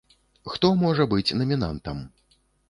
Хто можа быць намінантам?